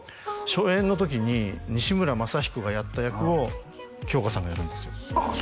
初演の時に西村まさ彦がやった役を京香さんがやるんですよああ